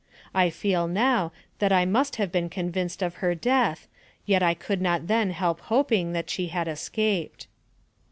I feel, now, that I must have been convinced of her death, yet I could not then help hoping that she had escaped.